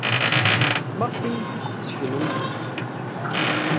Maɣef ay iyi-t-id-tesseknem?